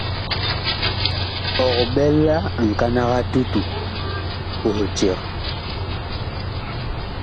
Ɔg ɓɛ la ŋkanag a tutu puh eceg.